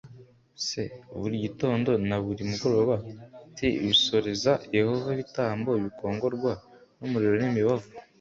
s Buri gitondo na buri mugoroba t bosereza Yehova ibitambo bikongorwa n umuriro n imibavu